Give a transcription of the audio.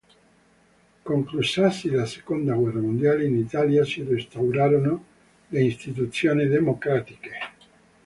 Conclusasi la seconda guerra mondiale, in Italia si restaurarono le istituzioni democratiche.